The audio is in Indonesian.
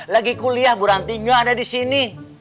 lagi kuliah bu ranti nggak ada di sini